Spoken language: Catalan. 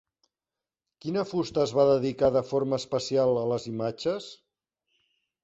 Quina fusta es va dedicar de forma especial a les imatges?